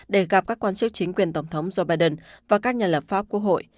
để gặp các quan chức chính quyền tổng thống joe biden và các nhà lập pháp quốc hội